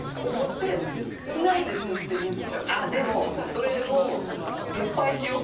でもそれを撤廃しよう！